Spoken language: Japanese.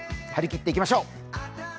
張り切っていきましょう。